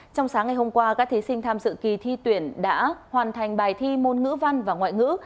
trong sáng ngày hôm qua các thí sinh tham dự kỳ thi tuyển đã hoàn thành bài thi môn ngữ văn và ngoại ngữ